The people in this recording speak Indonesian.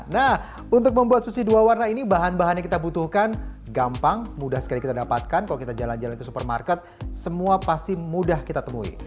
nah untuk membuat susi dua warna ini bahan bahan yang kita butuhkan gampang mudah sekali kita dapatkan kalau kita jalan jalan ke supermarket semua pasti mudah kita temui